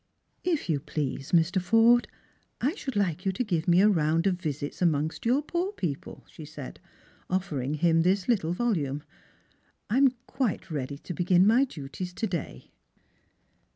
" If you please, Mr. Forde, I should like you to give me a round of visits amongst your poor people," she said, offering him this little volume. " I am quite ready to begin my duties to day."